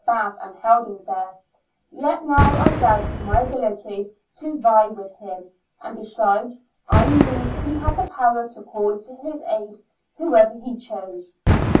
5 7 bath and held him there; yet now I doubted my ability to vie with him, and besides, I knew he had the power to call to his aid whoever he chose.